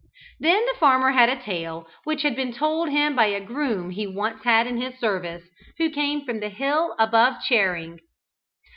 Then the farmer had a tale which had been told him by a groom he had once in his service, who came from the hill above Charing.